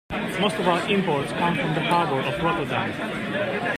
Most of our imports come from the harbor of Rotterdam.